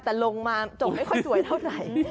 แต่ลงมาจบไม่ค่อยสวยเท่าไหร่